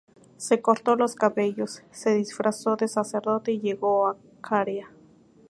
Se cortó los cabellos, se disfrazó de sacerdote y llegó a Caria.